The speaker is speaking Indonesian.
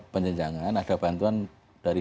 penjenjangan ada bantuan dari